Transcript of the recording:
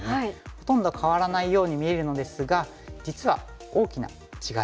ほとんど変わらないように見えるのですが実は大きな違いがあるんですね。